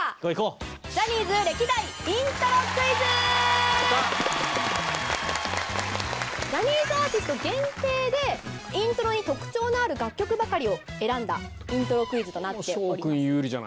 ジャニーズアーティスト限定でイントロに特徴のある楽曲ばかりを選んだイントロクイズとなっております。